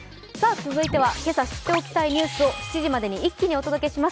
続いては今朝知っておきたいニュースを７時までに一気にお届けします。